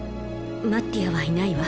マッティアはいないわ。